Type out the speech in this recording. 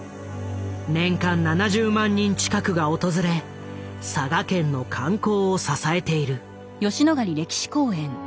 年間７０万人近くが訪れ佐賀県の観光を支えている。